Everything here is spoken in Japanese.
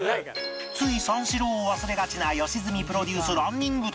つい三四郎を忘れがちな良純プロデュースランニング旅